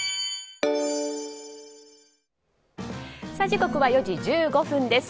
時刻は４時１５分です。